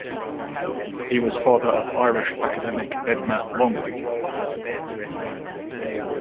He was father of Irish academic Edna Longley.